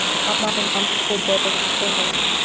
আমার নাম খুব বড় করতে হবে না।